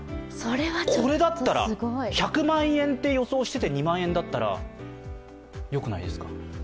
これだったら１００万円と予想してて２万円だったらよくないですか？